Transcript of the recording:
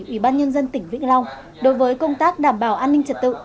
ủy ban nhân dân tỉnh vĩnh long đối với công tác đảm bảo an ninh trật tự